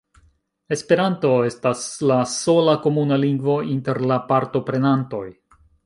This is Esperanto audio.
Esperanto estas la sola komuna lingvo inter la partoprenantoj.